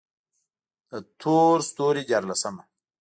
د تور ستوري ديارلسمه: